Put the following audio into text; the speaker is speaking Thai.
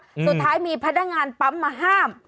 สุดท้ายมีพนักงานปั๊มมาห้าม